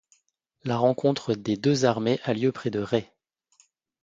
La rencontre des deux armées a lieu près de Ray.